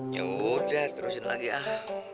ya udah terusin lagi ah